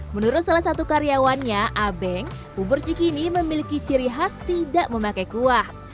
menurut salah satu karyawannya abeng bubur cikini memiliki ciri khas tidak memakai kuah